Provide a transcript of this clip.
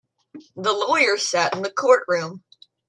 The lawyer sat in the courtroom.